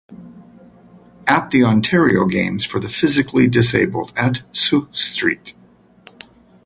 At the Ontario Games for the Physically Disabled at Sault Ste.